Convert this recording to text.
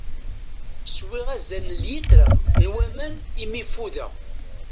Swiɣ azal n lyitra n waman imi fudeɣ.